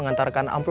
nih kita pergi dulu